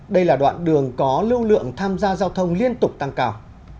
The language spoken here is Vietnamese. đây là đoạn đường có lưu lượng tham gia giao thông liên tục tăng cao